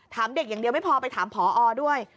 ถามเด็กอย่างเดียวไม่พอไปถามพอด้วย